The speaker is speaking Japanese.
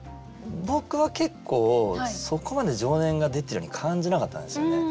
僕は結構そこまで情念が出てるように感じなかったんですよね。